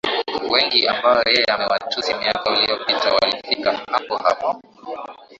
wengi ambao yeye amewatusi miaka uliyopita walifika hapo hapo